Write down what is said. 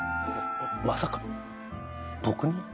ままさか僕に？